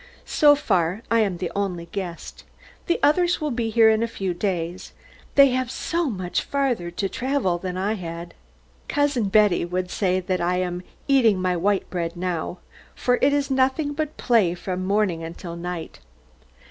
So far I am the only guest. The others will be here in a few days. They have so much farther to travel than I had. Cousin Hetty would say that I "am eating my white bread now," for it is nothing but play from morning until night.